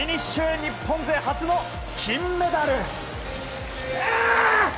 日本勢初の金メダル！